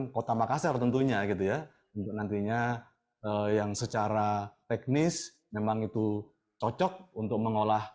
kota makassar tentunya gitu ya untuk nantinya yang secara teknis memang itu cocok untuk mengolah